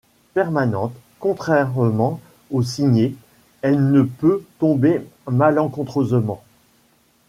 Permanente, contrairement au signet, elle ne peut tomber malencontreusement.